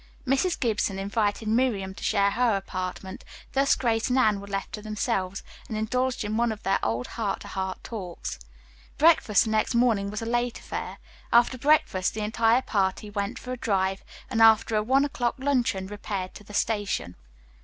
Mrs. Gibson invited Miriam to share her apartment, thus Grace and Anne were left to themselves, and indulged in one of their old heart to heart talks. Breakfast the next morning was a late affair. After breakfast, the entire party went for a drive, and after a one o'clock luncheon repaired to the station.